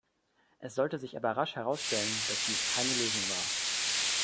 Es sollte sich aber rasch herausstellen, dass dies keine Lösung war.